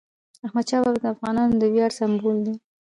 احمدشاه بابا د افغانانو د ویاړ سمبول دی.